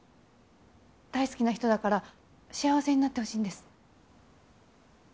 大好きな人だから幸せになってほしいんです。